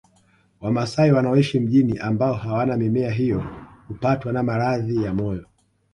Wamasai wanaoishi mijini ambao hawana mimea hiyo hupatwa na maradhi ya moyo